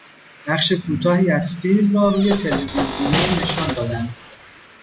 بخش کوتاهی از فیلم را روی تلویزیون نشان دادند.